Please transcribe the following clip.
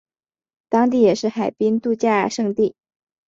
当地也是海滨度假胜地。